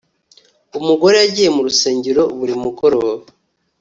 Umugore yagiye mu rusengero buri mugoroba